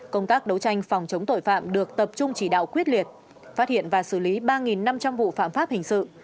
công tác đấu tranh phòng chống tội phạm được tập trung chỉ đạo quyết liệt phát hiện và xử lý ba năm trăm linh vụ phạm pháp hình sự